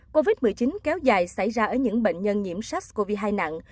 covid một mươi chín kéo dài xảy ra ở những bệnh nhân nhiễm sars cov hai nặng